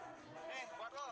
nih buat lu